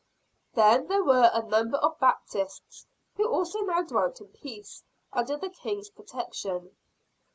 Then there were a number of Baptists, who also now dwelt in peace, under the King's protection.